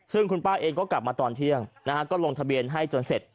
ซึ่งคุณป้าเองก็กลับมาตอนเที่ยงนะฮะก็ลงทะเบียนให้จนเสร็จ